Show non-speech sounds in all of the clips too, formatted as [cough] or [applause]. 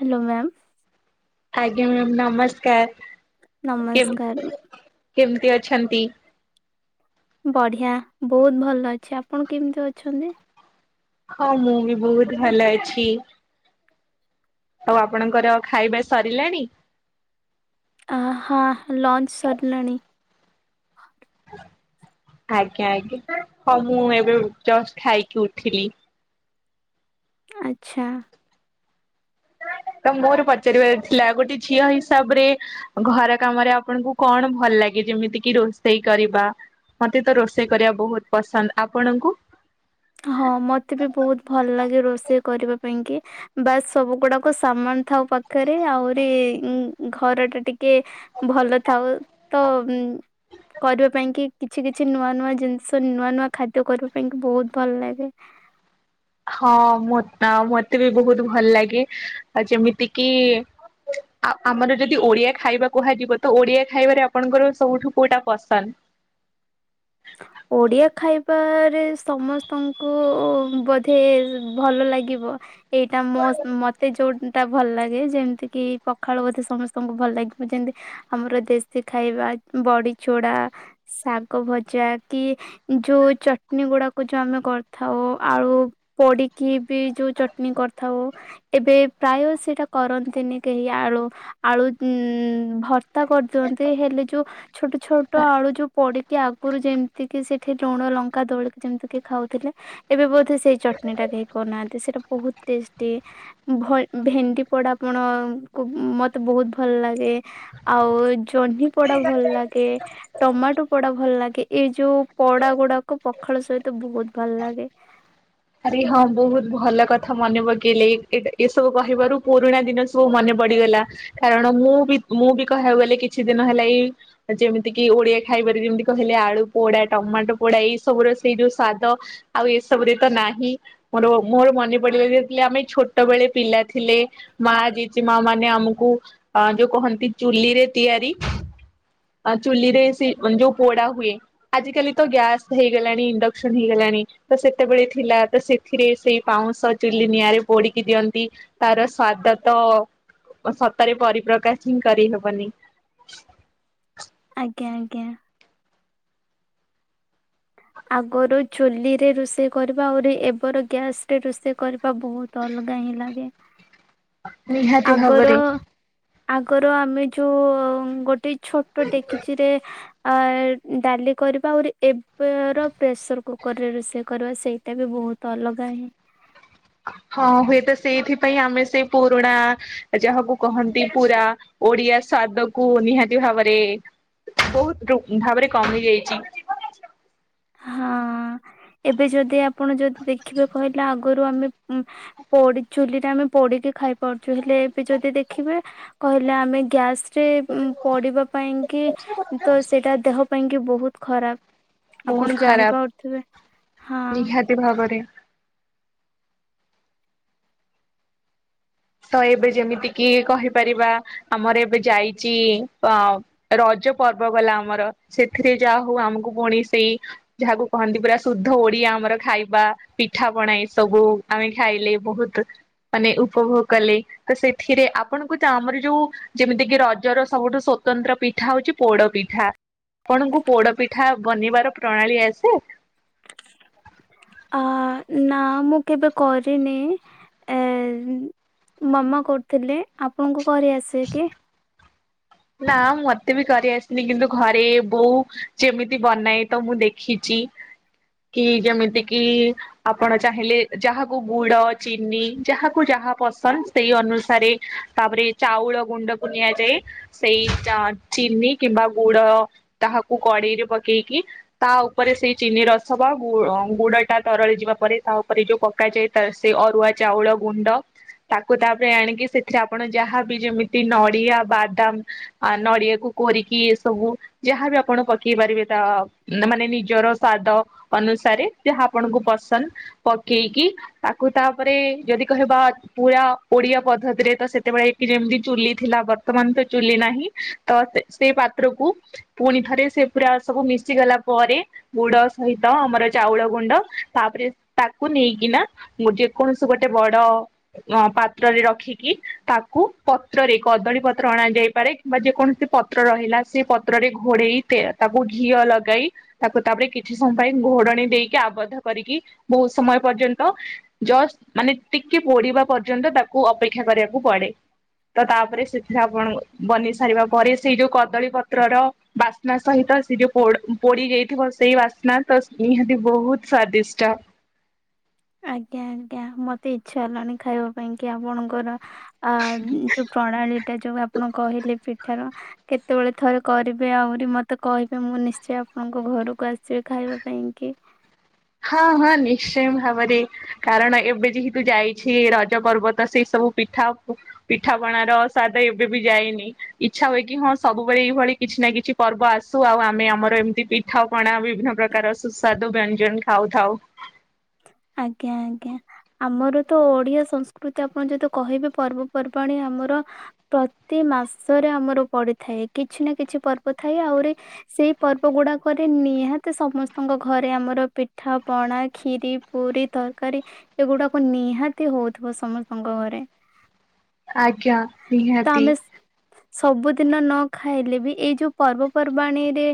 Hello, ma'am ଆଜ୍ଞା ma'am ନମସ୍କାର କେମ୍ ନମସ୍କାର କେମିତି ଅଛନ୍ତି? ବଢିଆ ବହୁତ ଭଲ ଅଛି, ଆପଣ କେମିତି ଅଛନ୍ତି? ହଁ ମୁଁ ବି ବହୁତ ଭଲ ଅଛି। ଆଉ ଆପଣଙ୍କର ଖାଇବା ସରିଲାଣି? ଅ ହଁ ଲଞ୍ଚ୍ ସରିଲାଣି। ଆଜ୍ଞା ଆଜ୍ଞା ହଁ ମୁଁ ଏବେ ଜଷ୍ଟ ଖାଇକି ଉଠିଲି। ଆଚ୍ଛା। ତ ମୋର ପଚାରିବାର ଥିଲା ଗୋଟେ ଝିଅ ହିସାବ ରେ ଘର କାମରେ ଆପଣଙ୍କୁ କଣ ଭଲ ଲାଗେ ଯେମିତି କିି ରୋଷେଇ କରିବା। ମତେ ତ ରୋଷେଇ କରିବା ବହୁତ ପସନ୍ଦ। ଆପଣଙ୍କୁ? ହଁ ମତେ ବି ବହୁତ ଭଲ ଲାଗେ ରୋଷେଇ କରିବା ପାଇଁ କି। ବାସ ସବୁ ଗୁଡାକ ସାମାଥା ପାଖରେ ଆହୁରି ଘର ଟା ଟିକେ ଭଲ ଥାଉ ତ କରିବା ପାଇଁ କି କିଛି କିଛି ନୂଆ ନୂଆ ଜିନିଷ ନୂଆ ନୂଆ ଖାଦ୍ୟ କରିବା ପାଇଁ କି ବହୁତ ଭଲ ଲାଗେ। ହଁ ମ ମତେ ବି ବହୁତ ଭଲ ଲାଗେ ଆଉ ଯେମିତି କିି ଆ ଆମର ଯଦି ଓଡିଆ ଖାଇବା କୁହାଯିବ ତ ଓଡିଆ ଖାଇବାରେ ଆପଣଙ୍କର ସବୁଠୁ କୁଉଟା ପସନ୍ଦ? ଓଡିଆ ଖାଇବାରେ ସମସ୍ତଙ୍କୁ ବୋଧେ ଭଲ ଲାଗିବ ଏଇଟା ମୋ ମତେ ଯୋଉ ଟା ଭଲ ଲାଗେ ଯେମିତି କି ପଖାଳୁ ବୋଧେ ସମସ୍ତଙ୍କୁ ଭଲ ଲାଗିବ ଯେତି ଆମର ଦେଶୀ ଖାଇବା ବଡି ଚୋଡା ଶାଗ ଭଜା କି ଯୋଉ ଚଟଣି ଗୁଡାକୁ ଯୋଉ ଆମେ କରିଥାଉ ଆଉ ପୋଡିକି ବି ଯୋଉ ଚଟଣି କରିଥାଉ ଏବେ ପ୍ରାୟ ସେଇଟା କରନ୍ତିନି କେହି ଆଳୁ। ଆଳୁ ଉ ଭର୍ତା କରିଦିଅନ୍ତି ହେଲେ ଯୁ ଛୋଟ ଛୋଟ ଆଳୁ ଯୋଉ ପଡିକି ଆ ପୁରୁ ଯେମିତି କିି ସେଠି ଲୁଣ ଲଙ୍କା ଦଳିିକି ଯେମିତି କି ଖାଉଥିଲେ। ଏବେ ବୋଧେ ସେଇ ଚଟଣି ଟା କେହି କରନାହାନ୍ତି ସେଇଟା ବହୁତ ଟେଷ୍ଟି। ଭେଣ୍ଡି ପଡା ଆପଣଙ୍କୁ ମତେ ବହୁତ ଭଲ ଲାଗେ। ଆଉ ଜହ୍ନି ପୋଡା ଭଲ ଲାଗେ ଟମାଟୋ ପୋଡା ଭଲ ଲାଗ୍ କେ ଏଇ ଯୋଉ ପଡା ଗୁଡାକ ପଖାଳ ସହିତ ବହୁତ ଭଲ ଲାଗେ। ଆରେ ହଁ ବହୁତ ଭଲ କଥା ମନେ ପକେଇଲେ ଏ ଏସବୁ କହିବାରୁ ପୁରୁଣା ଦିନ ସବୁ ମନେ ପଡିଗଲା। କାରଣ ମୁଁ ବି ମୁଁ ବି କହିବାକୁ ଗଲେ କିଛି ଦିନ ହେଲା ଏଇ ଯେମିତି କିି ଓଡିଆ ଖାଇବାରେ ଯେମିତି କହିଲେ ଆଳୁ ପୋଡା ଟମାଟୋ ପୋଡା ଏଇ ସବୁ ର ସେଇ ଯୋଉ ସ୍ଵାଦ। ଆଉ ଏସବୁରେ ତ ନାହିଁ। ନି ମୋର ମୋର ମନେ ପଡିଲା ଯେତେଲେ ଆମେ ଛୋଟବେଳେ ପିଲା ଥିଲେ। ମା ଜାଇଛି ମା ମାନେ ଆମକୁ ଅ ଯୋଉ କହନ୍ତି ଚୁଲି ରେ ତିଆରି। ଆ ଚୁଲିରେ ସେ ଯୋଉ ପୋଡା ହୁଏ। ଆଜିକାଲି ତ ଗ୍ୟାସ ହେଇଗଲାଣି ଇଣ୍ଡକ୍ସନ ହେଇଗଲାଣି ତ ସେତେବେଳେ ଥିଲା। ତ ସେଥିରେ ସେଇ ପାଉଁଶ ଚୁଲି ନିଆଁରେ ପୋଡିକି ଦିଅନ୍ତି ତାର ସ୍ଵାଦ ତ ସତରେ ପରିପ୍ରକାଶ ହିଁ କରିହବନି। ଆଜ୍ଞା ଆଜ୍ଞା। ଆଗରୁ ଚୁଲିରେ ରୋଷେଇ କରିବା ଆଉରି ଏବର ଗ୍ୟାସ ରେ ରୋଷେଇ କରିବା ବହୁତ ତ ଅଲଗା ହିଁ ଲାଗେ। ନିହାତି ଆଗର ଭାବରେ ଆଗର ଆମେ ଯୋଉ ଗୋଟେ ଛୋ ଡେକିଚିରେ ଅ ଡାଲି କରିବା ଆହୁରି ଏ ର ପ୍ରେସର କୁକର ରେ ରୋଷେଇ କରିବା ସେଇଟା ବି ବହୁତ ଅଲଗା ହିଁ। ହଁ ହୁଏତ ସେଇଥିପାଇଁ ଆମେ ସେଇ ପୁରୁଣା ଯାହାକୁ କହନ୍ତି ପୁରା ଓଡିଆ ସ୍ୱାଦ କୁ ନିହାତି ଭାବରେ ବହୁତ ଭାବରେ କମି ଯାଇଚି। ହଁ ଏବେ ଯଦି ଆପଣ ଯଦି ଦେଖିବେ କହିଲେ ଆଗରୁ ଆମେ ପୋଡି ଚୁଲି ରେ ଆମେ ପୋଡିକି ଖାଇପାରୁଛୁ ହେଲେ ଏବେ ଯଦି ଦେଖିବେ କହିଲେ ଆମେ ଗ୍ୟାସ୍ ସେ ପଢିବା ପାଇଁ କି ତ ସେଇଟା ଦେହ ପାଇଁ କି ବହୁତ ଖରାପ୍। ବହୁତ ଆପଣ ଖରାପ ଜାଣିପାରୁଥିବେ। ହଁ ନିହାତି ଭାବରେ। ତ ଏବେ ଯେମିତି କିି କହିପାରିବା ଆମର ଏବେ ଯାଇଚି ଅ ରଜ ପର୍ବ ଗଲା ଆମର ସେଥିରେ ଯାହା ହଉ ଆମକୁ ପୁଣି ସେଇ ଯାହାକୁ କହନ୍ତି ପୁରା ଶୁଦ୍ଧ ଓଡିଆ ଆମର ଖାଇବା ପିଠା ପଣା ଏ ସବୁ ଆମେ ଖାଇଲେ ବହୁତ ମାନେ ଉପଭୋଗ କଲେ ତ ସେଥିରେ ଆପଣଙ୍କୁ ତ ଆମର ଯୋଉ ଯେମିତି କିି ରଜର ସବୁଠୁ ସ୍ଵତନ୍ତ୍ର ପିଠା ହଉଛି ପୋଡ ପିଠା। ଆପଣଙ୍କୁ ପୋଡ ପିଠା ବନେଇବାର ପ୍ରଣାଳୀ ଆସେ? [inaudible] ଅ ନା ମୁଁ କେବେ କରିନି ଏ ମାମା କରୁଥିଲେ ଆପଣଙ୍କୁ କରିଆସେ କି? ନା ମତେ ବି କରି ଆସିନି କିନ୍ତୁ ଘରେ ବୋଉ ଯେମିତି ବନାଏ ତ ମୁଁ ଦେଖିଚି। କି ଯେମିତି କିି ଆପଣ ଚାହିଁଲେ ଯାହାକୁ ଗୁଡ ଚିନି ଯାହାକୁ ଯାହା ପସନ୍ଦ ସେଇ ଅନୁସାରେ ତାପରେ ଚାଉଳ ଗୁଣ୍ଡକୁ ନିଆଯାଏ। ସେଇ ଚିନି କିମ୍ବା ଗୁଡ ତାହାକୁ କଡେଇରେ ପକେଇକି ତା ଉପରେ ସେଇ ଚିନି ରସ ବା ଗୁଡ ଟା ତରଳି ଯିବା ପରେ ତା ଉପରେ ଯୋଉ କ ପକାଯାଇଥାଏ ସେ ଅରୁଆ ଚାଉଳ ଗୁଣ୍ଡ। ତାକୁ ତାପରେ ଆଣିକି ସେଥିରେ ଆପଣ ଯାହାବି ଯେମିତି ନଡିଆ ବାଦାମ। ଆ ନଡ଼ିଆକୁ କୋରିକି ସବୁ ଯାହାବି ଆପଣ ପକେଇ ପାରିବେ ତା ନା ମାନେ ନିଜର ସ୍ଵାଦ ଅନୁସାରେ ଯାହା ଆପଣଙ୍କୁ ପସନ୍ଦ ପକେଇକି ତାକୁ ତାପରେ ଯଦି କହିବା ପୁରା ଓଡ଼ିଆ ପଦ୍ଧତିରେ ତ ସେତେବେଳେ କି ଯେମିତି ଚୁଲି ଥିଲା ବର୍ତ୍ତମାନ ତ ଚୁଲି ନାହିଁ ତ ସେ ସେ ପାତ୍ରକୁ ପୁଣି ଥରେ ସେ ପୁରା ସବୁ ମିଶିଗଲା ପରେ ଗୁଡ଼ ସହିତ ଆମର ଚାଉଳ ଗୁଣ୍ଡ ତାପରେ ତାକୁ ନେଇକିନା ମୁଁ ଯେକୌଣସି ଗୋଟେ ବଡ଼ ଅ ପାତ୍ରରେ ରଖିକି ତାକୁ ପତ୍ରରେ କଦଳୀ ପତ୍ର ଅଣା ଯାଇପାରେ କିମ୍ବା ଯେକୌଣସି ପତ୍ର ରହିଲା ସେ ପତ୍ରରେ ଘୋଡ଼େଇ ତେ ତାକୁ ଘିଅ ଲଗାଇ ତାକୁ ତାପରେ କିଛି ସମୟ ପାଇଁ ଘୋଡ଼ଣୀ ଦେଇକି ଆବଦ୍ଧ କରିକି ବୋହୁତ ସମୟ ପର୍ଯ୍ୟନ୍ତ ଜଷ୍ଟ ମାନେ ଟିକେ ପୋଡ଼ିବା ପର୍ଯ୍ୟନ୍ତ ତାକୁ ଅପେକ୍ଷା କରିବାକୁ ପଡ଼େ। ତ ତାପରେ ସେଥିରେ ଆପଣ ବନେଇ ସାରିବା ପରେ ସେଇ ଯୋଉ କଦଳୀ ପତ୍ରର ବାସ୍ନା ସହିତ ସେ ଯୋଉ ପୋଡ଼ ପୋଡ଼ି ଯାଇଥିବ ସେଇ ବାସ୍ନା ତ ନିହାତି ବୋହୁତ ସ୍ଵାଦିଷ୍ଟ। ଆଜ୍ଞା ଆଜ୍ଞା ମତେ ଇଚ୍ଛା ହେଲାଣି ଖାଇବା ପାଇଁ କି ଆପଣଙ୍କର ଆ ଯୋଉ ପ୍ରଣାଳୀଟା ଯୋଉ ଆପଣ କହିଲେ ପିଠାର। କେତେବେଳେ ଥରେ କରିବେ ଆହୁରି ମତେ କହିବେ ମୁଁ ନିଶ୍ଚୟ ଆପଣଙ୍କ ଘରକୁ ଆସିବି ଖାଇବା ପାଇଁ କି। ହଁ ହଁ ନିଶ୍ଚୟ ଭାବରେ କାରଣ ଏବେ ଯେହେତୁ ଯାଇଛି ରଜ ପର୍ବ ତ ସେଇ ସବୁ ପିଠା ପିଠାପଣାର ସ୍ବାଦ ଏବେବି ଯାଇନି। ଇଚ୍ଛା ହୁଏ କି ହଁ ସବୁବେଳେ ଏଇଭଳି କିଛି ନା କିଛି ପର୍ବ ଆସୁ ଆଉ ଆମେ ଆମର ଏମତି ପି ଠା ପଣା ବିଭିନ୍ୟ ପ୍ରକାର ସୁସ୍ଵାଦ ବ୍ୟଞ୍ଜନ ଖାଉ ଥାଉ। ଆଜ୍ଞା ଆଜ୍ଞା। ଆମର ତ ଓଡ଼ିଆ ସଂସ୍କୃତି ଆପଣ ଯଦି କହିବେ ପର୍ବପର୍ବାଣି ଆମର ପ୍ରତି ମାସରେ ଆମର ପଡ଼ିଥାଏ କିଛି ନା କିଛି ପର୍ବ ଥାଏ ଆହୁରି ସେଇ ପର୍ବ ଗୁଡ଼ାକରେ ନିହାତି ସମସ୍ତଙ୍କ ଘରେ ଆମର ପିଠା ପଣା ଖିରି ପୁରୀ ତରକାରୀ ଏଗୁଡ଼ାକ ନିହାତି ହଉଥିବ ସମସ୍ତଙ୍କ ଘରେ। ଆଜ୍ଞା ତ ନିହାତି। ଆମେ ସବୁଦିନ ନ ଖାଇଲେ ବି ଏଇ ଯୋଉ ପର୍ବପର୍ବାଣୀରେ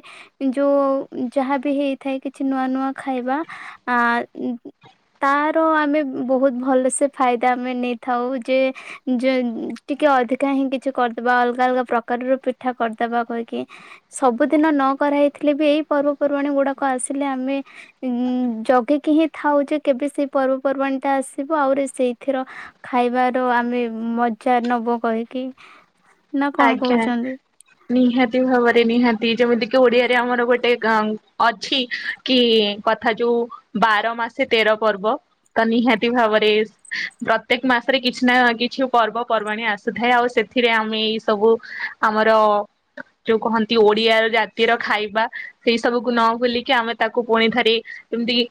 ଏ ଯୋଉ ଯାହାବି ହେଇଥାଏ କିଛି ନୂଆ ନୂଆ ଖାଇବା ଆ ତାର ଆମେ ବହୁତ ଭଲ ସେ ଫାଇଦା ଆମେ ନେଇଥାଉ ଯେ ଯେ ଟିକେ ଅଧିକା ହିଁ କିଛି କରିଦବା ଅଲଗା ଅଲଗା ପ୍ରକାରର ପିଠା କରିଦବା କହିକି। ସବୁଦିନ ନ କରା ହେଇଥିଲେ ବି ଏଇ ପର୍ବପର୍ବାଣୀ ଗୁଡ଼ାକ ଆସିଲେ ଆମେ ଇଁ ଜଗିକି ହିଁ ଥାଉ ଯେ କେବେ ସେଇ ପର୍ବପର୍ବାଣୀ ଟା ଆସିବ ଆହୁରି ସେଇଥିର ଖାଇବାର ଆମେ ମଜା ନବୁ କହିକି। ନା କଣ ଆଜ୍ଞା। କହୁଛନ୍ତି? ନିହାତି ଭାବରେ ନିହାତି ଯେମିତି କିି ଓଡ଼ିଆରେ ଆମର ଗୋଟେ ଗଂ ଅଛି କି କଥା ଯୋଉ ବାର ମାସେ ତେର ପର୍ବ ତ ନିହାତି ଭାବରେ ପ୍ରତ୍ୟେକ ମାସରେ କିଛି ନା କିଛି ପର୍ବ ପର୍ବାଣୀ ଆସୁଥାଏ ଆଉ ସେଥିରେ ଆମେ ଏଇ ସବୁ ଆମର ଯୋଉ କହନ୍ତି ଓଡ଼ିଆ ଜାତିର ଖାଇବା ସେଇ ସବୁକୁ ନ ଭୁଲିକି ଆମେ ତାକୁ ପୁଣିଥରେ ଯେମିତି କି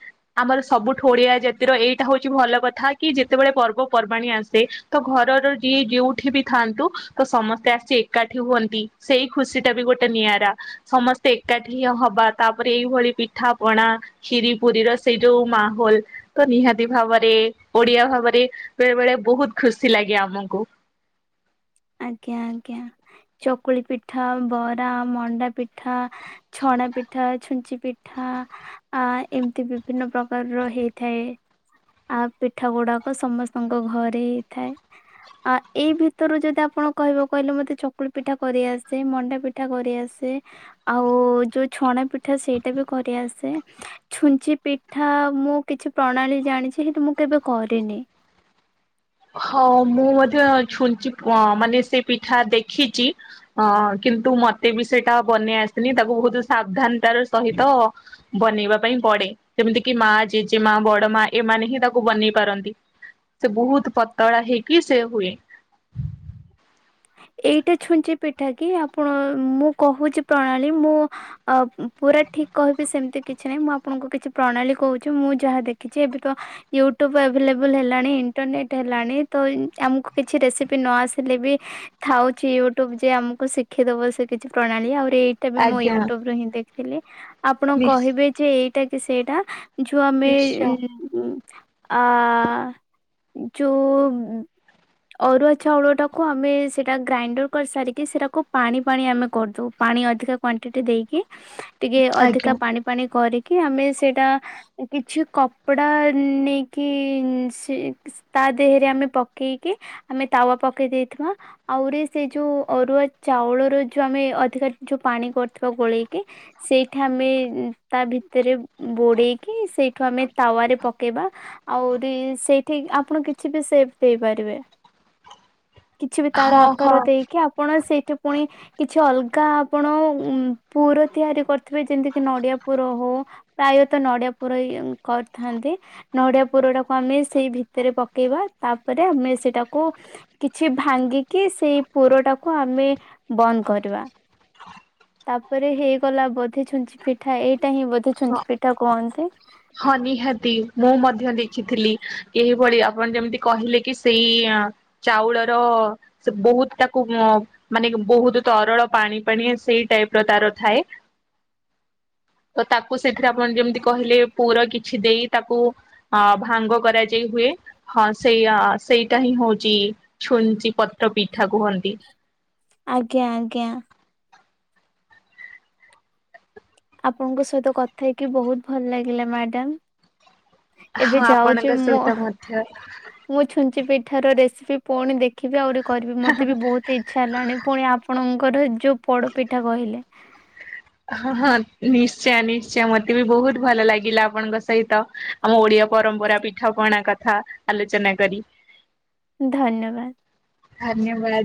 ଆମର ସବୁଠୁ ଓଡ଼ିଆ ଜାତିର ଏଇଟା ହଉଛି ଭଲ କଥା କି ଯେତେବେଳେ ପର୍ବପର୍ବାଣୀ ଆସେ ତ ଘରର ଯିଏ ଯୋଉଠି ବି ଥାଆନ୍ତୁ ତ ସମ ତେ ଆସି ଏକାଠି ହୁଅନ୍ତି ସେଇ ଖୁସି ଟା ବି ଗୋଟେ ନିଆରା। ସମସ୍ତେ ଏକାଠି ହବା ତାପରେ ଏଇଭଳି ପିଠା ପଣା ଖିରି ପୁରୀର ସେଇ ଯୋଉ ମାହୋଲ ତ ନିହାତି ଭାବରେ ଓଡିଆ ଭାବରେ ବେଳେ ବେଳେ ବହୁତ ଖୁସି ଲାଗେ ଆମକୁ। ଆଜ୍ଞା ଆଜ୍ଞା ଚକୁଳି ପିଠା, ବରା, ମଣ୍ଡା ପିଠା ଛଣା ପିଠା, ଛୁଞ୍ଚି ପିଠା। ଆ ଏମିତି ବିଭିନ୍ନ ପ୍ରକାରର ହେଇଥାଏ। ଆ ପିଠା ଗୁଡାକ ସମସ୍ତଙ୍କ ଘରେ ହେଇଥାଏ। ଆ ଏଇ ଭିତରୁ ଯଦି କଣ କହିବ କହିଲେ? ମତେ ଚକୁଳି ପିଠା କରିଆସେ ମଣ୍ଡା ପିଠା କରିଆସେ। ଆଉ ଯୋଉ ଛଣା ପିଠା ସେଇଟା ବି କରିଆସେ। ଛୁଞ୍ଚି ପିଠା ମୁଁ କିଛି ପ୍ରଣାଳୀ ଜାଣିଛି ସେଠ ମୁଁ କେବେ କରିନି। ହଁ ମୁଁ ମଧ୍ୟ ଛୁଞ୍ଚି ଅ ମାନେ ସେ ପିଠା ଦେଖିଛି। ହଁ କିନ୍ତୁ ମତେ ବି ସେଇଟା ବନେଇ ଆସିନି ତାକୁ ବହୁତ ସାବଧାନତାର ସହିତ ବନେଇବା ପାଇଁ ପଡେ ଯେମିତି କିି ମା, ଜେଜେମା, ବଡ ମା ଏମାନେ ହିଁ ତାକୁ ବନେଇ ପାରନ୍ତି। ସେ ବହୁତ ପତଳା ହେଇକି ସେ ହୁଏ। ଏଇଟା ଛୁଞ୍ଚି ପିଠା କି ଆପଣ ମୁଁ କହୁଛି ପ୍ରଣାଳୀ ମୁଁ ଅ ପୁରା ଠିକ କହିବି ସେମିତି କିଛି ନାହିଁ ମୁଁ ଆପଣଙ୍କୁ କିଛି ପ୍ରଣାଳୀ କହୁଛି ମୁଁ ଯାହା ଦେଖିଛି ଏବେ ତ ୟୁଟୁବ ଏଭେଲେବୁଲ ହେଲାଣି, ଇଣ୍ଟରନେଟ ହେଲାଣି ତ ଆମକୁ କିଛି ରେସିପି ନ ଆସିଲେ ବି ଥାଉଛି ୟୁଟ୍ୟୁବ ଯେ ଆମକୁ ଶିଖିଦବ ସେ କିଛି ପ୍ରଣାଳୀ ଆଉ ଏଇଟା ବି ମୁଁ ଆଜ୍ଞା ୟୁଟ୍ୟୁବ ରୁ ହିଁ ଦେଖ ଦେଥିଲେ ଆପଣ ନିଶ୍ କହିବେ ଯେ ଏଇଟା କି ସେଇଟା ଯୋଉ ଆମେ ନିଶ୍ଚୟ। ଉ ଆ ଯଉ ଅରୁଆ ଚାଉଳଟା କୁ ଆମେ ସେଇଟା ଗ୍ରାଇଣ୍ଡର୍ କରିସାରିକି ସେଇଟାକୁ ପାଣି ପାଣି ଆମେ କରିଦେଉ ପାଣି ଅଧିକା କ୍ୱଣ୍ଟିଟି ଦେଇକି। ଟିକେ ଅଧିକା ଆଜ୍ଞା ପାଣି ପାଣି କରିକି ଆମେ ସେଇଟା କିଛି କପଡା ନେଇକି ସେ ତା ଦେହରେ ଆମେ ପକେଇକି ଆମେ ତାୱ ପକେଇ ଦେଇଥିବା। ଆହୁରି ସେ ଯୋଉ ଅରୁଆ ଚାଉଳର ଯୋଉ ଆମେ ଅଧିକା ଯୋଉ ପାଣି କରଥିବା ଗୋଳେଇକି ସେଇଠା ଆମେ ତା ଭିତରେ ବୋଡେଇକି ସେଇଠୁ ଆମେ ତାୱରେ ପକେଇବା। ଆହୁରି ସେଇଠି ଆପଣ କିଛି ବି ସେପ ଦେଇପାରିବେ। କିଛି ବି ତାର ହଁ ଆକାର ହଁ ଦେଇକି ଆପଣ ସେଇଠି ପୁଣି କିଛି ଅଲଗା ଆପଣ ଉ ପୁର ତିଆରି କରିଥିବେ ଯେମିତି କିି ନଡିଆ ପୁର ହଉ। ପ୍ରାୟତଃ ନଡିଆ ପୁର କରିଥାନ୍ତି, ନଡିଆ ପୁର ଟା ଆମେ ସେଇ ଭିତରେ ପକେଇବା ତାପରେ ଆମେ ସେଇଟାକୁ କି କିଛି ଭାଙ୍ଗିକି ସେଇ ପୁରଟାକୁ ଆମେ ବନ୍ଦ କରିବା। ତାପରେ ହେଇଗଲା ବୋଧେ ଛୁଞ୍ଚି ପିଠା ଏଇଟା ହିଁ ବୋଧେ ହଁ ଛୁଞ୍ଚି ପିଠା କୁହନ୍ତି। ହଁ ନିହାତି ମୁଁ ମଧ୍ୟ ଦେଖିଥିଲି ଏହିଭଳି ଆପଣ ଯେମିତି କହିଲେ କି ସେଇ ଚାଉଳର ସେ ବହୁତ ତାକୁ ଅ ମାନେ ବହୁତ ତରଳ ପାଣି ପାଣିଆ ସେଇ ଟାଇପ ର ତାର ଥାଏ। ତ ତାକୁ ସେଥିରେ ଆପଣ ଯେମିତି କହିଲେ ପୁର କିଛି ଦେଇ ତାକୁ ଅ ଭାଙ୍ଗ କରାଯାଇ ହୁଏ। ହଁ ସେଇଆ ସେଇଟା ହିଁ ହଉଚି ଛୁଞ୍ଚି ପତ୍ର ପିଠା କୁହନ୍ତି। ଆଜ୍ଞା ଆଜ୍ଞା। ଆପଣଙ୍କ ସହିତ କଥା ହେଇକି ବହୁତ ଭଲ ଲାଗିଲା ମ୍ୟାଡାମ। ଏବେ ହଁ ଯାଉଛି ଆପଣଙ୍କ ମୁଁ ସହିତ ମଧ୍ୟ। ମୁଁ ଛୁଞ୍ଚି ପିଠା ର ରେସିପି ପୁଣି ଦେଖିବି ଆହୁରି କରିବି, ମତେ ବି ବହୁତ ଇ ଇଚ୍ଛା ହେଲାଣି ପୁଣି ଆପଣଙ୍କର ଯୋଉ ପୋଡପିଠା କହିଲେ। ହଁ ହଁ ନିଶ୍ଚୟ ନିଶ୍ଚୟ ମତେ ବି ବହୁତ ଭଲ ଲାଗିଲା ଆପଣଙ୍କ ସହିତ। ଆମ ଓଡିଆ ପରମ୍ପରା ପିଠାପଣା କଥା ଆଲୋଚନା କରି। ଧନ୍ୟବାଦ। ଧନ୍ୟବାଦ।